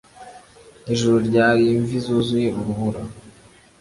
Ijuru ryari imvi zuzuye urubura